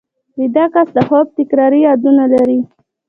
ویده کس د خوب تکراري یادونه لري